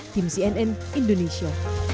tim cnn indonesia